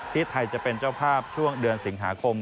ที่ไทยจะเป็นเจ้าภาพช่วงเดือนสิงหาคม